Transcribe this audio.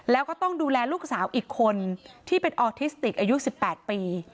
แล้วก็ต้องดูแลลูกสาวอีกคนที่เป็นออทิสติกอายุ๑๘ปี